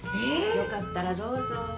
よかったらどうぞ。